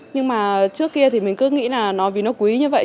nhưng mà trước kia thì mình cứ nghĩ là nói vì nó quý như vậy